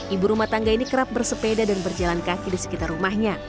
ibu rumah tangga ini kerap bersepeda dan berjalan kaki di sekitar rumahnya